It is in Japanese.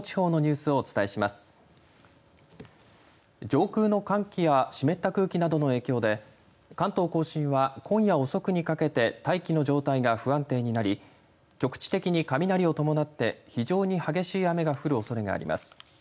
上空の寒気や湿った空気などの影響で関東甲信は今夜遅くにかけて大気の状態が不安定になり局地的に雷を伴って非常に激しい雨が降るおそれがあります。